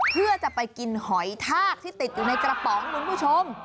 เพื่อจะไปกินหอยทากที่ติดอยู่ในกระป๋องคุณผู้ชม